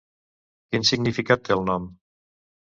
Quin significat té el nom?